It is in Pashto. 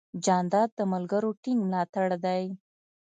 جانداد د ملګرو ټینګ ملاتړ دی.